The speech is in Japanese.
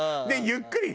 ゆっくり。